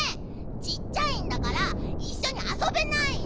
ちっちゃいんだからいっしょにあそべないの！